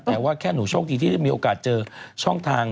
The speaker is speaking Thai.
แต่ว่าแค่หนูโชคดีที่ได้มีโอกาสเจอช่องทาง